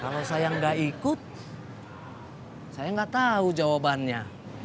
kalau saya gak ikut saya gak tau jawabannya